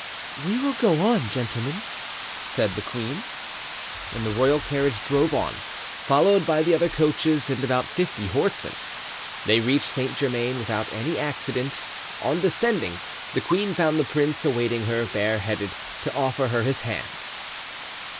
"We will go on, gentlemen," said the queen. And the royal carriage drove on, followed by the other coaches and about fifty horsemen. They reached Saint German without any accident; on descending, the queen found the prince awaiting her, bare headed, to offer her his hand.